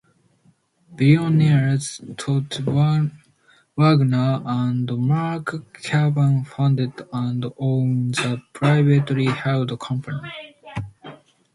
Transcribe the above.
Billionaires Todd Wagner and Mark Cuban founded and own the privately held company.